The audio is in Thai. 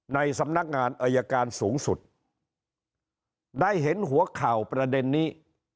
ในสำนักงานอายการสูงสุดได้เห็นหัวข่าวประเด็นนี้